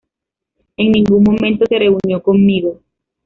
En ningún momento se reunió conmigo.